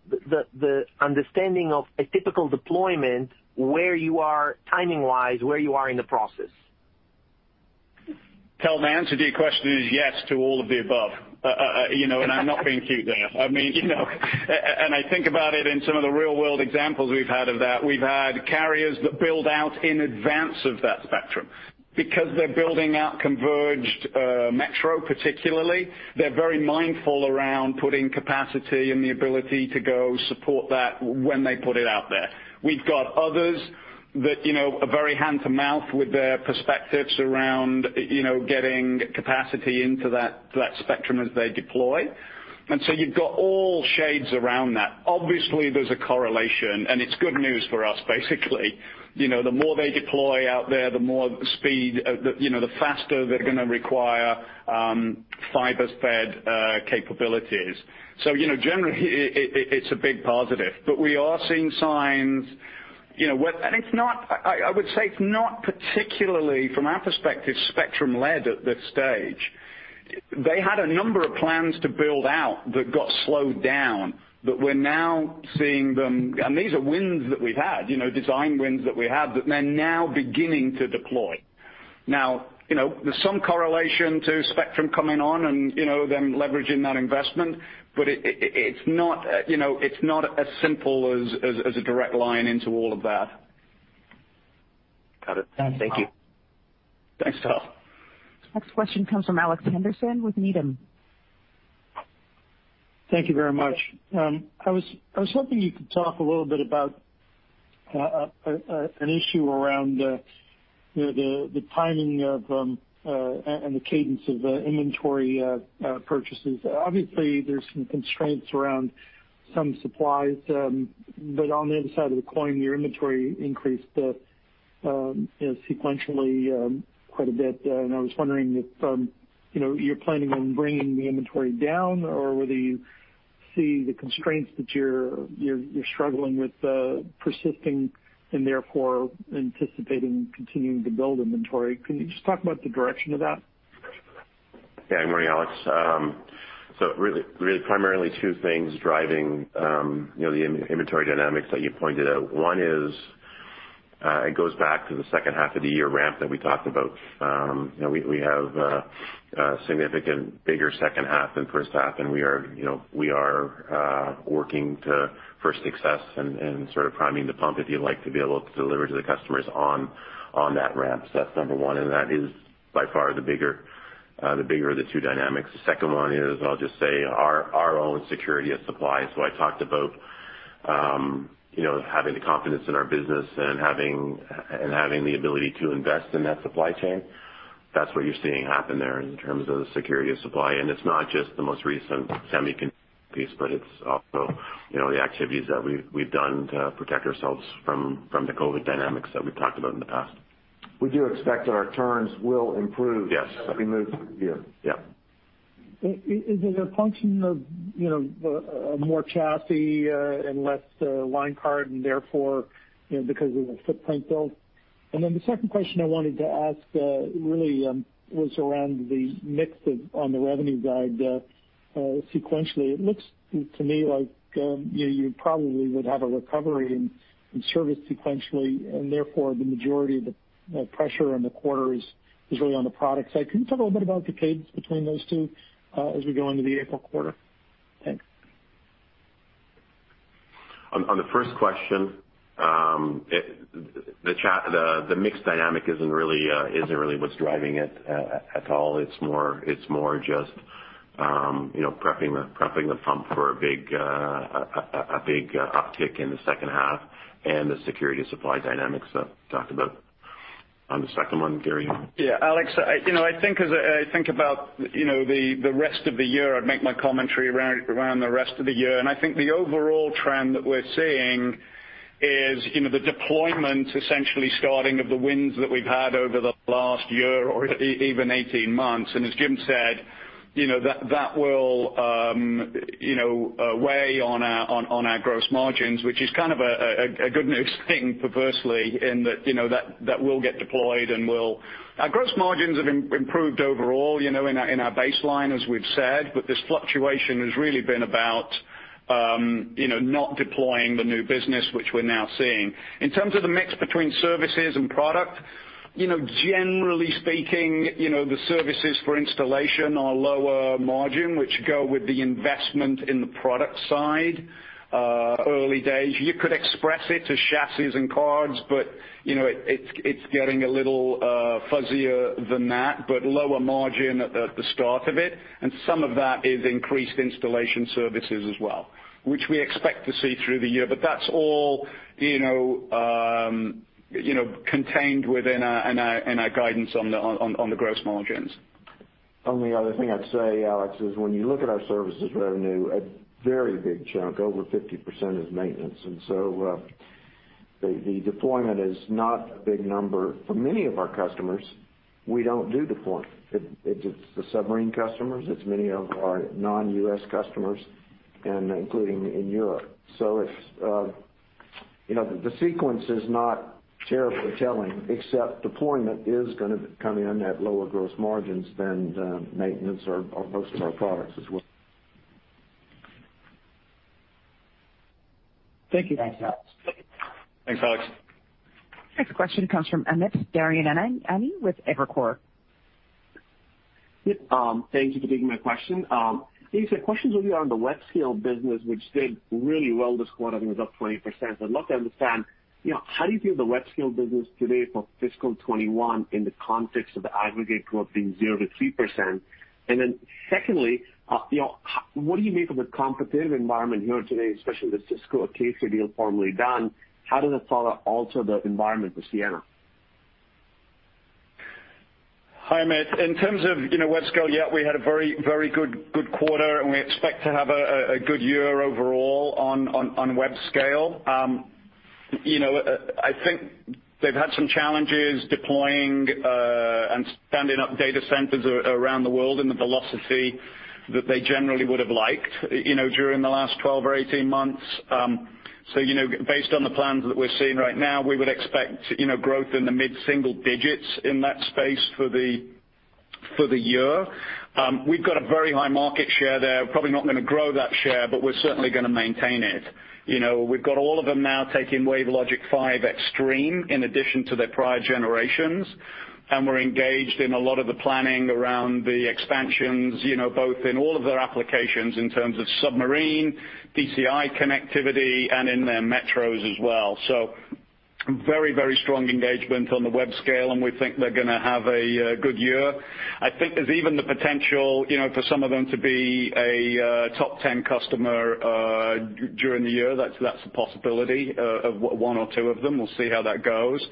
the understanding of a typical deployment where you are timing-wise, where you are in the process? The answer to your question is yes to all of the above, and I'm not being cute there. I mean, and I think about it in some of the real-world examples we've had of that. We've had carriers that build out in advance of that spectrum because they're building out converged metro, particularly. They're very mindful around putting capacity and the ability to go support that when they put it out there. We've got others that are very hand-to-mouth with their perspectives around getting capacity into that spectrum as they deploy. And so you've got all shades around that. Obviously, there's a correlation, and it's good news for us, basically. The more they deploy out there, the more speed, the faster they're going to require fiber-fed capabilities. So generally, it's a big positive. But we are seeing signs, and I would say it's not particularly, from our perspective, spectrum-led at this stage. They had a number of plans to build out that got slowed down, but we're now seeing them, and these are wins that we've had, design wins that we have, that they're now beginning to deploy. Now, there's some correlation to spectrum coming on and them leveraging that investment, but it's not as simple as a direct line into all of that. Got it. Thank you. Thanks, Tom. Next question comes from Alex Henderson with Needham. Thank you very much. I was hoping you could talk a little bit about an issue around the timing and the cadence of inventory purchases. Obviously, there's some constraints around some supplies, but on the other side of the coin, your inventory increased sequentially quite a bit, and I was wondering if you're planning on bringing the inventory down, or whether you see the constraints that you're struggling with persisting and therefore anticipating continuing to build inventory. Can you just talk about the direction of that? Yeah. Good morning, Alex. So really, primarily two things driving the inventory dynamics that you pointed out. One is it goes back to the second half of the year ramp that we talked about. We have a significant bigger second half than first half, and we are working for success and sort of priming the pump, if you like, to be able to deliver to the customers on that ramp. So that's number one, and that is by far the bigger of the two dynamics. The second one is, I'll just say, our own security of supply. So I talked about having the confidence in our business and having the ability to invest in that supply chain. That's what you're seeing happen there in terms of the security of supply. It's not just the most recent semiconductor piece, but it's also the activities that we've done to protect ourselves from the COVID dynamics that we've talked about in the past. We do expect that our turns will improve as we move through the year. Yep. Is it a function of more chassis and less line card and therefore because of the footprint build? And then the second question I wanted to ask really was around the mix on the revenue side sequentially. It looks to me like you probably would have a recovery in service sequentially, and therefore the majority of the pressure on the quarter is really on the products. Can you talk a little bit about the cadence between those two as we go into the April quarter? Thanks. On the first question, the mixed dynamic isn't really what's driving it at all. It's more just priming the pump for a big uptick in the second half and the security supply dynamics that we talked about. On the second one, Gary? Yeah. Alex, I think as I think about the rest of the year, I'd make my commentary around the rest of the year. I think the overall trend that we're seeing is the deployment essentially starting of the wins that we've had over the last year or even 18 months. As Jim said, that will weigh on our gross margins, which is kind of a good news thing perversely in that that will get deployed and will our gross margins have improved overall in our baseline, as we've said, but this fluctuation has really been about not deploying the new business, which we're now seeing. In terms of the mix between services and product, generally speaking, the services for installation are lower margin, which go with the investment in the product side. Early days, you could express it to chassis and cards, but it's getting a little fuzzier than that, but lower margin at the start of it. And some of that is increased installation services as well, which we expect to see through the year. But that's all contained within our guidance on the gross margins. Only other thing I'd say, Alex, is when you look at our services revenue, a very big chunk, over 50%, is maintenance, and so the deployment is not a big number for many of our customers. We don't do deployment. It's the submarine customers. It's many of our non-U.S. customers, including in Europe, so the sequence is not terribly telling, except deployment is going to come in at lower gross margins than maintenance or most of our products as well. Thank you. Thanks, Alex. Thanks, Alex. Next question comes from Amit Daryanani with Evercore. Thank you for taking my question. He said questions will be around the Web Scale business, which did really well this quarter, I think it was up 20%. I'd love to understand, how do you view the Web Scale business today for fiscal 2021 in the context of the aggregate growth being 0%-3%? And then secondly, what do you make of the competitive environment here today, especially with Cisco and Acacia deal formally done? How does that deal alter the environment for Ciena? Hi, Amit. In terms of web scale, yeah, we had a very good quarter, and we expect to have a good year overall on web scale. I think they've had some challenges deploying and standing up data centers around the world in the velocity that they generally would have liked during the last 12 or 18 months. So based on the plans that we're seeing right now, we would expect growth in the mid-single digits in that space for the year. We've got a very high market share there. We're probably not going to grow that share, but we're certainly going to maintain it. We've got all of them now taking WaveLogic 5 Extreme in addition to their prior generations, and we're engaged in a lot of the planning around the expansions, both in all of their applications in terms of submarine, DCI connectivity, and in their metros as well. So very, very strong engagement on the web scale, and we think they're going to have a good year. I think there's even the potential for some of them to be a top 10 customer during the year. That's a possibility of one or two of them. We'll see how that goes.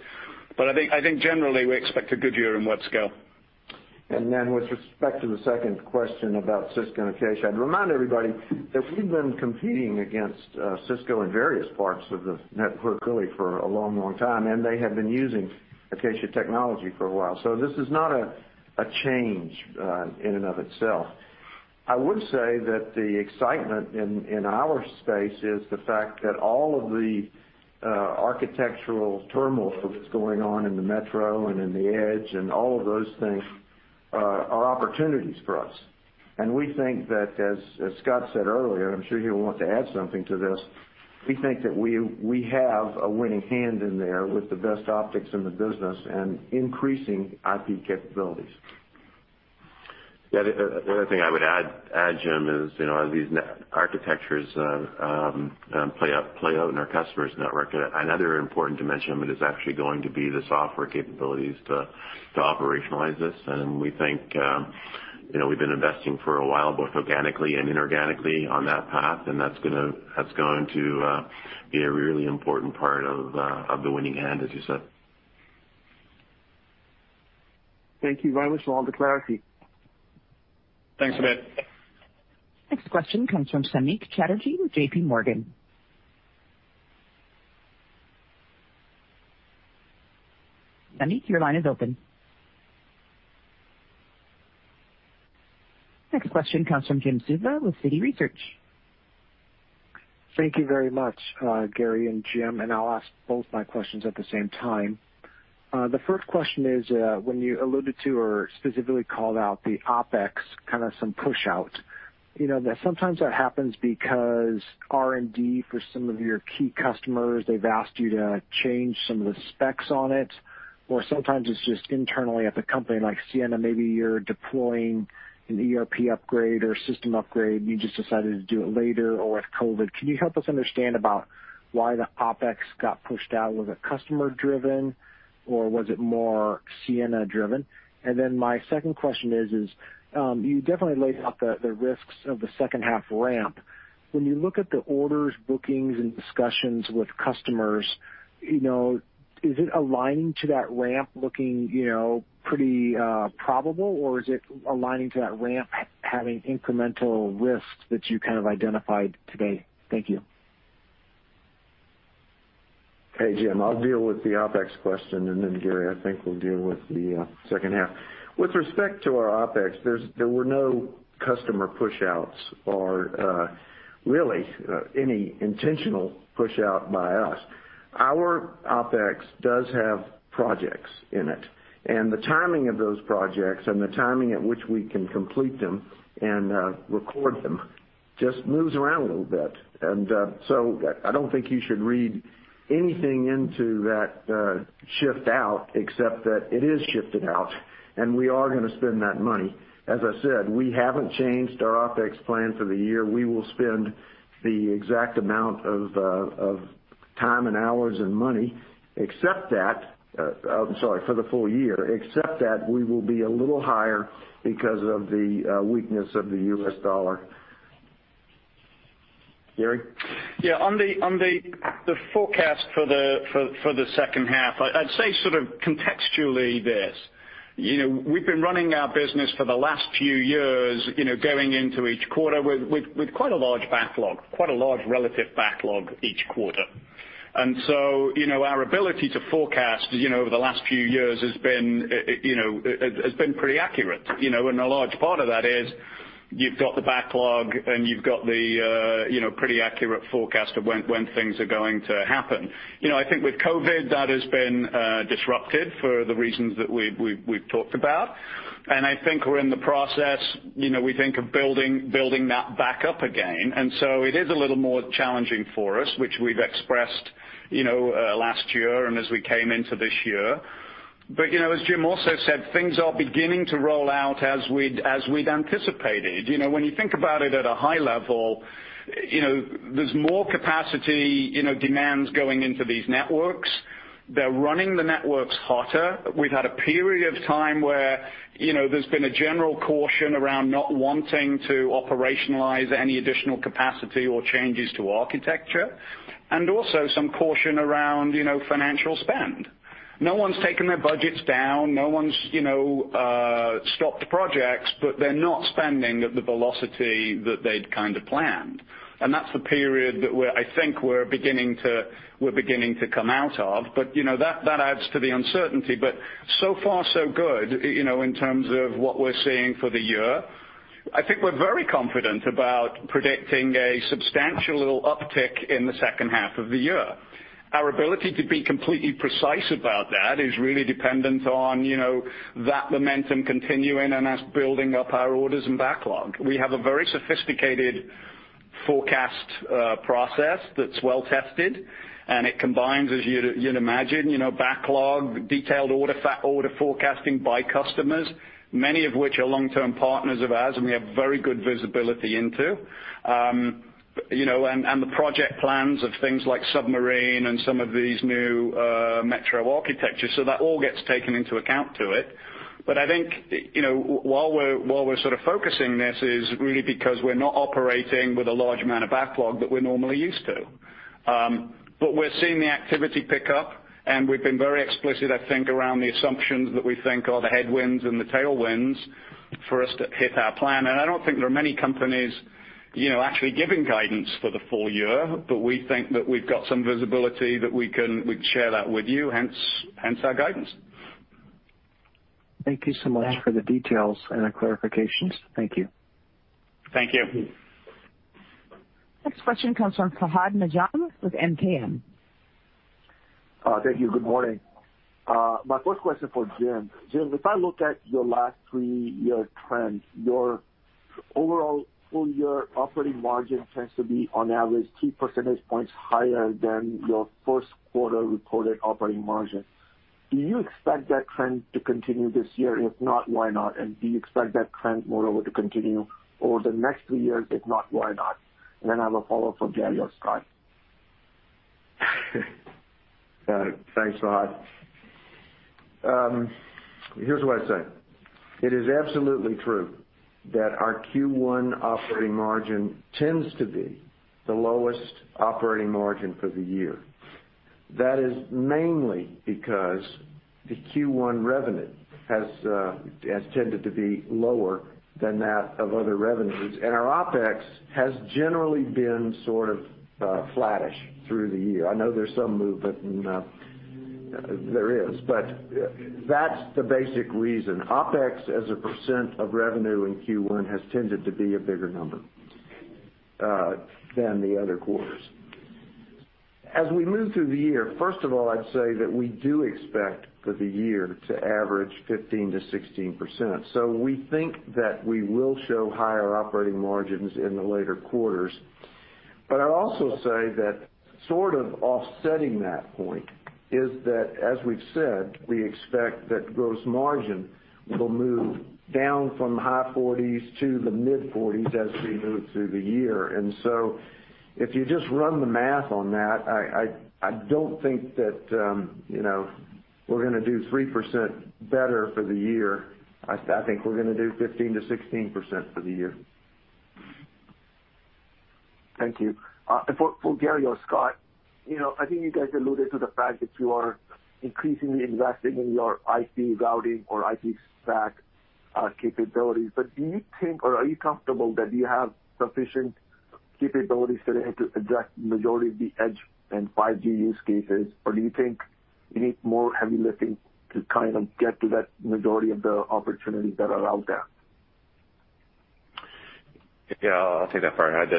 But I think generally we expect a good year in web scale. Then with respect to the second question about Cisco and Acacia, I'd remind everybody that we've been competing against Cisco in various parts of the network really for a long, long time, and they have been using Acacia technology for a while. This is not a change in and of itself. I would say that the excitement in our space is the fact that all of the architectural turmoil that's going on in the metro and in the edge and all of those things are opportunities for us. We think that, as Scott said earlier, and I'm sure he will want to add something to this, we think that we have a winning hand in there with the best optics in the business and increasing IP capabilities. The other thing I would add, Jim, is these architectures play out in our customers' network. Another important dimension of it is actually going to be the software capabilities to operationalize this, and we think we've been investing for a while both organically and inorganically on that path, and that's going to be a really important part of the winning hand, as you said. Thank you very much for all the clarity. Thanks, Emmett. Next question comes from Samik Chatterjee with J.P. Morgan. Samik, your line is open. Next question comes from Jim Suva with Citi Research. Thank you very much, Gary and Jim, and I'll ask both my questions at the same time. The first question is, when you alluded to or specifically called out the OpEx, kind of some push-out, sometimes that happens because R&D for some of your key customers, they've asked you to change some of the specs on it, or sometimes it's just internally at the company like Ciena. Maybe you're deploying an ERP upgrade or system upgrade. You just decided to do it later or with COVID. Can you help us understand about why the OpEx got pushed out? Was it customer-driven, or was it more Ciena-driven? And then my second question is, you definitely laid out the risks of the second half ramp. When you look at the orders, bookings, and discussions with customers, is it aligning to that ramp looking pretty probable, or is it aligning to that ramp having incremental risks that you kind of identified today? Thank you. Hey, Jim, I'll deal with the OpEx question, and then Gary, I think we'll deal with the second half. With respect to our OpEx, there were no customer push-outs or really any intentional push-out by us. Our OpEx does have projects in it, and the timing of those projects and the timing at which we can complete them and record them just moves around a little bit. So I don't think you should read anything into that shift out, except that it is shifted out, and we are going to spend that money. As I said, we haven't changed our OpEx plan for the year. We will spend the exact amount of time and hours and money, except that, I'm sorry, for the full year, except that we will be a little higher because of the weakness of the U.S. dollar. Gary? Yeah. On the forecast for the second half, I'd say sort of contextually this. We've been running our business for the last few years going into each quarter with quite a large backlog, quite a large relative backlog each quarter. And so our ability to forecast over the last few years has been pretty accurate. And a large part of that is you've got the backlog, and you've got the pretty accurate forecast of when things are going to happen. I think with COVID, that has been disrupted for the reasons that we've talked about. And I think we're in the process, we think, of building that backlog again. And so it is a little more challenging for us, which we've expressed last year and as we came into this year. But as Jim also said, things are beginning to roll out as we'd anticipated. When you think about it at a high level, there's more capacity demands going into these networks. They're running the networks hotter. We've had a period of time where there's been a general caution around not wanting to operationalize any additional capacity or changes to architecture and also some caution around financial spend. No one's taken their budgets down. No one's stopped projects, but they're not spending at the velocity that they'd kind of planned. And that's the period that I think we're beginning to come out of. But that adds to the uncertainty. But so far, so good in terms of what we're seeing for the year. I think we're very confident about predicting a substantial uptick in the second half of the year. Our ability to be completely precise about that is really dependent on that momentum continuing and us building up our orders and backlog. We have a very sophisticated forecast process that's well tested, and it combines, as you'd imagine, backlog, detailed order forecasting by customers, many of which are long-term partners of ours, and we have very good visibility into, and the project plans of things like submarine and some of these new metro architectures, so that all gets taken into account to it, but I think while we're sort of focusing, this is really because we're not operating with a large amount of backlog that we're normally used to, but we're seeing the activity pick up, and we've been very explicit, I think, around the assumptions that we think are the headwinds and the tailwinds for us to hit our plan. I don't think there are many companies actually giving guidance for the full year, but we think that we've got some visibility that we can share that with you, hence our guidance. Thank you so much for the details and the clarifications. Thank you. Thank you. Next question comes from Fahad Najam with MKM. Thank you. Good morning. My first question for Jim, Jim, if I look at your last three-year trend, your overall full-year operating margin tends to be on average 3 percentage points higher than your first quarter reported operating margin. Do you expect that trend to continue this year? If not, why not? And do you expect that trend, moreover, to continue over the next three years? If not, why not? And then I have a follow-up from Gary or Scott. Thanks, Fahad. Here's what I'd say. It is absolutely true that our Q1 operating margin tends to be the lowest operating margin for the year. That is mainly because the Q1 revenue has tended to be lower than that of other revenues. And our OpEx has generally been sort of flattish through the year. I know there's some movement in there is, but that's the basic reason. OpEx as a percent of revenue in Q1 has tended to be a bigger number than the other quarters. As we move through the year, first of all, I'd say that we do expect for the year to average 15%-16%. So we think that we will show higher operating margins in the later quarters. But I'd also say that sort of offsetting that point is that, as we've said, we expect that gross margin will move down from the high 40s to the mid-40s as we move through the year. And so if you just run the math on that, I don't think that we're going to do 3% better for the year. I think we're going to do 15%-16% for the year. Thank you. For Gary or Scott, I think you guys alluded to the fact that you are increasingly investing in your IP routing or IP stack capabilities. But do you think, or are you comfortable that you have sufficient capabilities today to address the majority of the edge and 5G use cases, or do you think you need more heavy lifting to kind of get to that majority of the opportunities that are out there? Yeah, I'll take that part.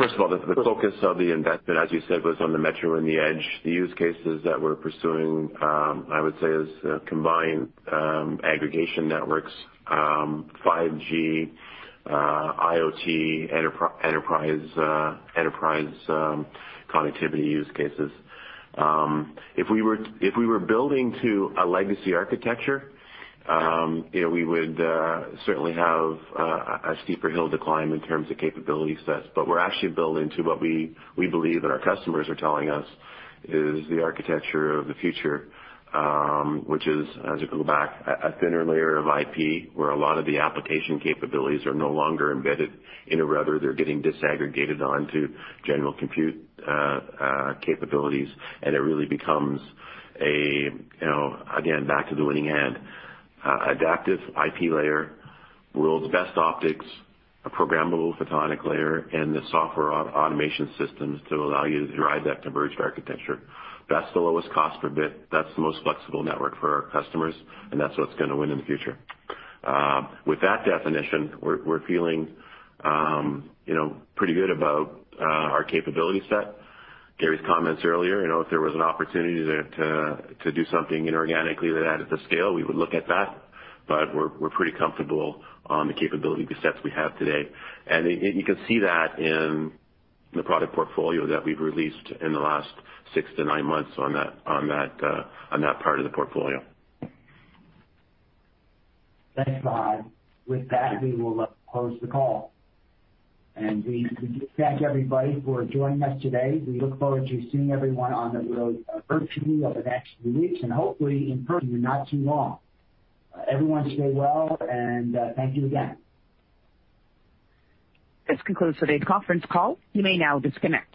First of all, the focus of the investment, as you said, was on the metro and the edge. The use cases that we're pursuing, I would say, is combined aggregation networks, 5G, IoT, enterprise connectivity use cases. If we were building to a legacy architecture, we would certainly have a steeper hill to climb in terms of capability sets. But we're actually building to what we believe that our customers are telling us is the architecture of the future, which is, as you go back, a thinner layer of IP where a lot of the application capabilities are no longer embedded in a router. They're getting disaggregated onto general compute capabilities, and it really becomes, again, back to the winning hand, Adaptive IP layer, world's best optics, a programmable photonic layer, and the software automation systems to allow you to drive that converged architecture. That's the lowest cost per bit. That's the most flexible network for our customers, and that's what's going to win in the future. With that definition, we're feeling pretty good about our capability set. Gary's comments earlier, if there was an opportunity to do something inorganically that added to scale, we would look at that. But we're pretty comfortable on the capability sets we have today. And you can see that in the product portfolio that we've released in the last six to nine months on that part of the portfolio. Thanks, Fahad. With that, we will close the call. And we thank everybody for joining us today. We look forward to seeing everyone on the road virtually over the next few weeks and hopefully in person not too long. Everyone stay well, and thank you again. This concludes today's conference call. You may now disconnect.